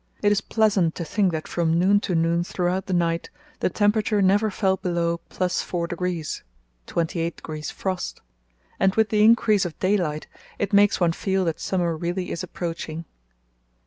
It is pleasant to think that from noon to noon throughout the night the temperature never fell below +4° (28° frost), and with the increase of daylight it makes one feel that summer really is approaching.